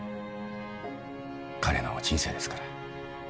彼の人生ですから。